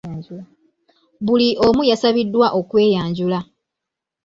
Buli omu yasabiddwa okweyanjula .